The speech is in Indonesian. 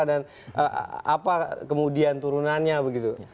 dan apa kemudian turunannya begitu